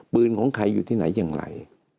ของใครอยู่ที่ไหนอย่างไร